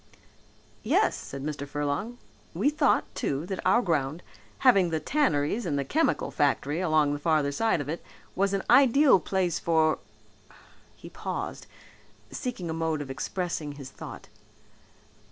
"Yes," said Mr. Furlong. "We thought, too, that our ground, having the tanneries and the chemical factory along the farther side of it, was an ideal place for " he paused, seeking a mode of expressing his thought.